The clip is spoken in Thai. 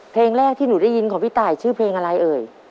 เพลงแรกที่หนูได้ยินของพี่ตายชื่อเพลงอะไรเอ่ย